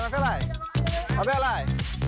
มาเปล่า